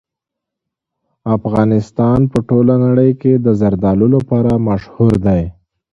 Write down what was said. افغانستان په ټوله نړۍ کې د زردالو لپاره مشهور دی.